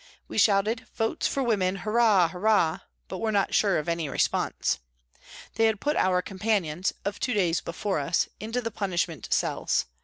We shouted " Votes for Women, Hurrah ! Hurrah !" but were not sure of any response. They had put our com panions, of two days before us, into the punishment cells.